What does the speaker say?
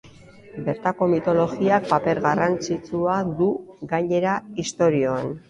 Bertako mitologiak paper garrantzitsua du gainera istorioan.